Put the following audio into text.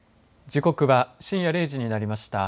時刻は深夜０時になりました。